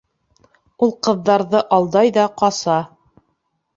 Ул ҡыҙҙарҙы алдай ҙа ҡаса.